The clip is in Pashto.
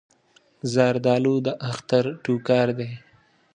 زردالو د اختر ټوکر دی.